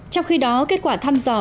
trong khi đó kết quả thăm dò